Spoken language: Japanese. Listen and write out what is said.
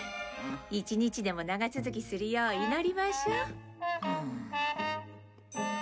１日でも長続きするよう祈りましょう。